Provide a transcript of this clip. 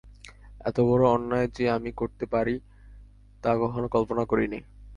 এত বড় অন্যায় যে আমি করতে পারি, তা কখনো কল্পনা করি নি।